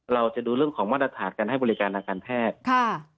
เราจะดูเรื่องของมาตรฐานการให้บริการทางการแพทย์